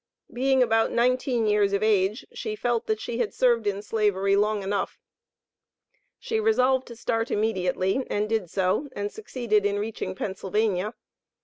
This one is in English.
Being about nineteen years of age, she felt that she had served in Slavery long enough. She resolved to start immediately, and did so, and succeeded in reaching Pennsylvania.